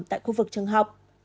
tại khu vực trường học